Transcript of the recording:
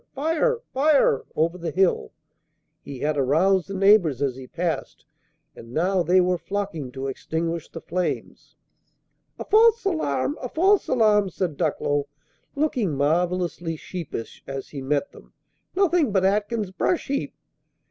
fire! fire!" over the hill. He had aroused the neighbors as he passed, and now they were flocking to extinguish the flames. "A false alarm! a false alarm!" said Ducklow, looking marvelously sheepish, as he met them. "Nothing but Atkins's brush heap!"